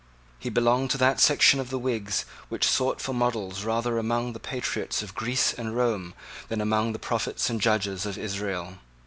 He belonged to that section of the Whigs which sought for models rather among the patriots of Greece and Rome than among the prophets and judges of Israel.